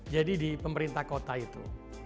jadi di pemerintah kota itu